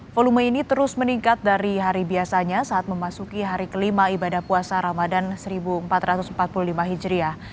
volume ini terus meningkat dari hari biasanya saat memasuki hari kelima ibadah puasa ramadan seribu empat ratus empat puluh lima hijriah